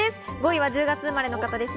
５位は１０月生まれの方です。